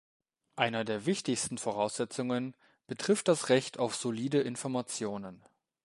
Einer der wichtigsten Voraussetzungen betrifft das Recht auf solide Informationen.